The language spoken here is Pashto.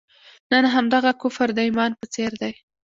نن همدغه کفر د ایمان په څېر دی.